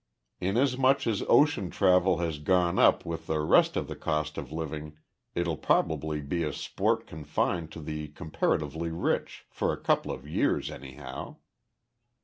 Inasmuch as ocean travel has gone up with the rest of the cost of living, it'll probably be a sport confined to the comparatively rich, for a couple of years anyhow.